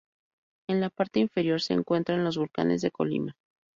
En la parte inferior se encuentran los volcanes de Colima.